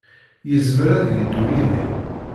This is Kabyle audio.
Yezmer ad yeddu yid-i.